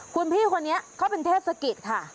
คุณพี่คนนี้เขาเป็นเทศกิจค่ะ